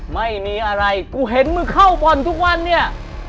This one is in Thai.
ไม่มีอะไรกูเห็นมึงเข้าบ่อนทุกวันเนี่ย